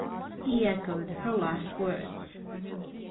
He echoed her last words.